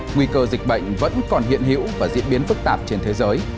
nguy cơ dịch bệnh vẫn còn hiện hữu và diễn biến phức tạp trên thế giới